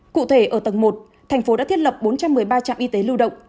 cụ thể ở tầng một thành phố đã thiết lập bốn trăm một mươi ba trạm y tế lưu động